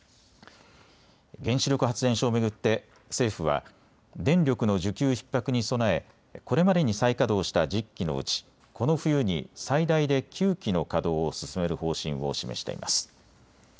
原子力発電所を巡って政府は電力の需給ひっ迫に備えこれまでに再稼働した１０基のうち、この冬に最大で９基の稼働を進める方針を示しています。